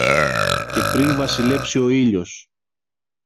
και πριν βασιλέψει ο ήλιος